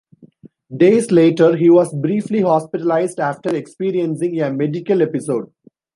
Days later he was briefly hospitalized after experiencing a "Medical episode".